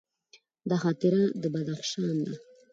دا خاطره د بدخشان ده.